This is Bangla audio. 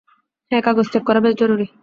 হ্যাঁ, কাগজ চেক করা বেশ জরুরি।